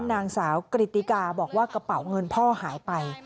นางสาวกริตติกาบอกว่ากระเป๋าเงินพ่อหายไป